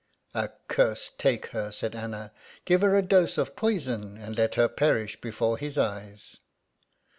"A curse take her !" said Anna ; "give her a dose of poison, and let her perish before his eyes."